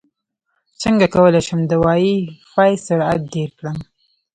څنګه کولی شم د وائی فای سرعت ډېر کړم